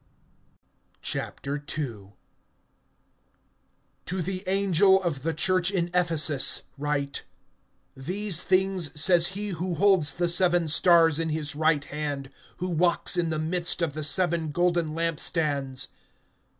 II. TO the angel of the church in Ephesus write: These things says he who holds the seven stars in his right hand, who walks in the midst of the seven golden lamp stands.